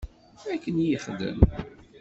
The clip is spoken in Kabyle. Akken i yexdem.